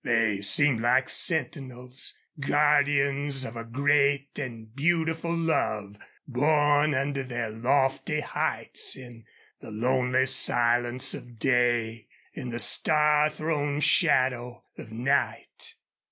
They seemed like sentinels guardians of a great and beautiful love born under their lofty heights, in the lonely silence of day, in the star thrown shadow of night.